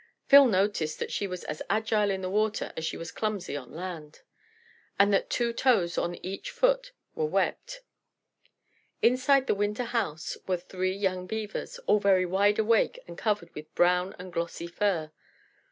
Phil noticed that she was as agile in the water as she was clumsy on land, and that two toes on each foot were webbed. Inside the winter house were three young Beavers, all very wide awake and covered with brown and glossy fur.